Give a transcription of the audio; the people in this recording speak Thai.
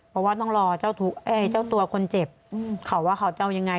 เพราะว่าต้องรอเจ้าตัวคนเจ็บเขาว่าเขาจะเอายังไง